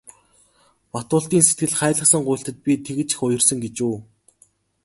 Батболдын сэтгэл хайлгасан гуйлтад би тэгж их уярсан гэж үү.